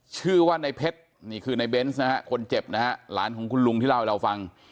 ชื่อว่าในเพชรนี่คือในเบนส์นะฮะคนเจ็บนะฮะหลานของคุณลุงที่เล่าให้เราฟัง